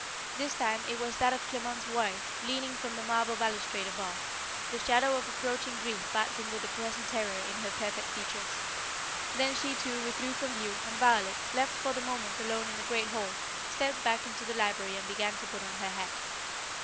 This time it was that of Clements's wife leaning from the marble balustrade above, the shadow of approaching grief battling with the present terror in her perfect features. Then she too withdrew from view and Violet, left for the moment alone in the great hall, stepped back into the library and began to put on her hat.